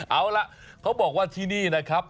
เอาล่ะเขาบอกว่าที่นี่นะครับ